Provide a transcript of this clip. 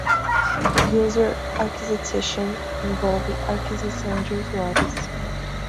User Acquisition envolve aquisição de usuários.